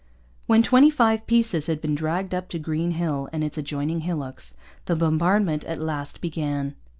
When twenty five pieces had been dragged up to Green Hill and its adjoining hillocks, the bombardment at last began.